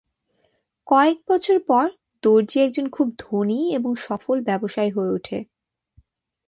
কয়েক বছর পর, দর্জি একজন খুব ধনী এবং সফল ব্যবসায়ী হয়ে উঠে।